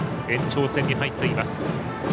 延長戦に入っています。